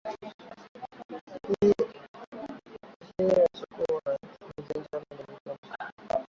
Hali hii ilipata msukumo kutoka kwa Rais wa awamu ya tatu Benjamini Wiliam Mkapa